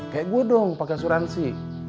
kayak gue dong pakai asuransi